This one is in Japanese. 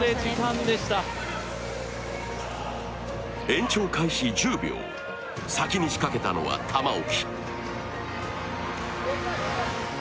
延長開始１０秒、先に仕掛けたのは玉置。